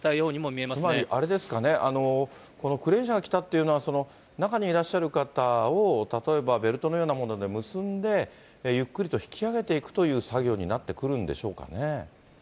つまりあれですかね、このクレーン車が来たというのは、中にいらっしゃる方を例えばベルトのようなもので結んで、ゆっくりと引き上げていくという作業になってくるんでしょうかね。